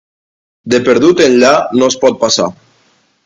De perdut enllà, no es pot passar.